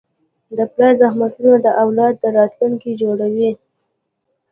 د پلار زحمتونه د اولاد راتلونکی جوړوي.